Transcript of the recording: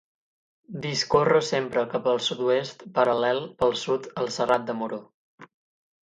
Discorre sempre cap al sud-oest, paral·lel pel sud al Serrat de Moró.